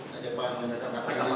ke depan mereka